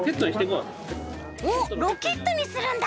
おっロケットにするんだ！